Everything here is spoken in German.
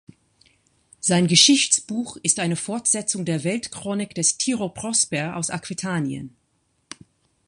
Sein Geschichtsbuch ist eine Fortsetzung der Weltchronik des Tiro Prosper aus Aquitanien.